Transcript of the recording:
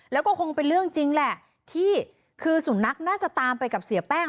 แล้วก็คงเป็นเรื่องจริงแหละที่คือสุนัขน่าจะตามไปกับเสียแป้ง